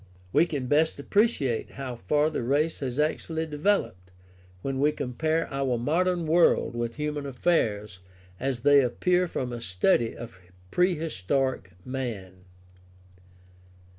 We can best appreciate how far the race has actually developed when we compare our modern world with human affairs as they appear from a study of prehistoric man.